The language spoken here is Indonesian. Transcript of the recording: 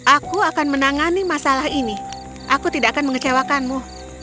aku akan menangani masalah ini aku tidak akan mengecewakanmu